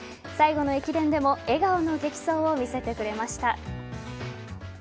最後の駅伝でも笑顔の激走を見せてくれました。